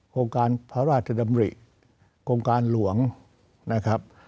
โครงการพระราชดำริโครงการหลวงนะครับ